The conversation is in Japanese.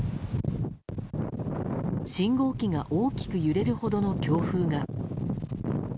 信号機が大きく揺れるほどの強風が。